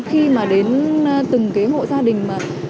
khi mà đến từng cái hội gia đình